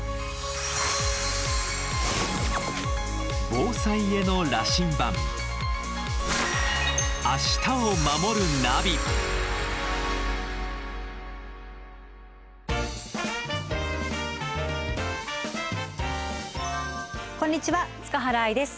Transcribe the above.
防災への羅針盤こんにちは塚原愛です。